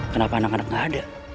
kenapa anak anak tidak ada